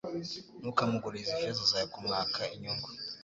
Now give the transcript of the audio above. Ntukamuguririze ifeza zawe kumwaka inyungu